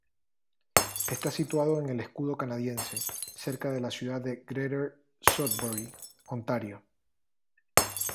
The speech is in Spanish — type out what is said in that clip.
Está situado en el Escudo Canadiense, cerca de la ciudad de Greater Sudbury, Ontario.